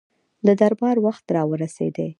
د دربار وخت را ورسېدی.